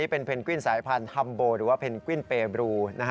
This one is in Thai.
เป็นเพนกวินสายพันธัมโบหรือว่าเพนกวินเปบรู